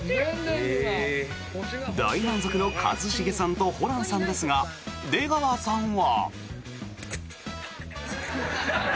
大満足の一茂さんとホランさんですが出川さんは？